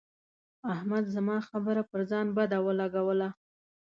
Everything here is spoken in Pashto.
احمد زما خبره پر ځان بده ولګوله.